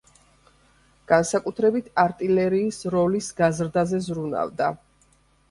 განსაკუთრებით, არტილერიის როლის გაზრდაზე ზრუნავდა.